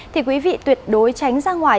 thì quý vị tuyệt đối tránh ra ngoài